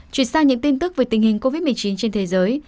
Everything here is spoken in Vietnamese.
chuyển sang những tin tức về tình hình covid một mươi chín trên thế giới